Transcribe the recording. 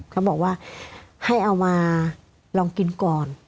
เขาบอกว่าให้เอามาลองกินก่อน